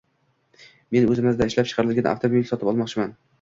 Men o‘zimizda ishlab chiqarilgan avtomobil sotib olmoqchiman.